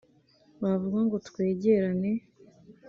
bavuga ngo twegerane